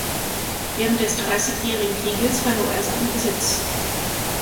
Während des Dreißigjährigen Krieges verlor er seinen Besitz.